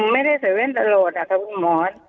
ไม่ได้ใส่แว่นตลอดค่ะคุณหมอน